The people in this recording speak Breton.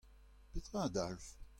Petra a dalv ?